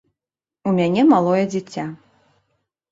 У мяне малое дзіця.